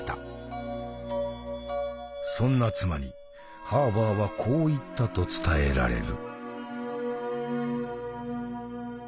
そんな妻にハーバーはこう言ったと伝えられる。